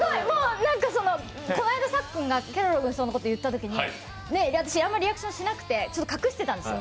この間さっくんが「ケロロ軍曹」のことを言ったときに私、あんまりリアクションしなくて隠してたんですよ。